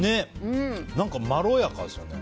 何かまろやかですね。